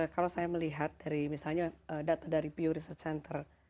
kalau saya melihat dari misalnya data dari pu research center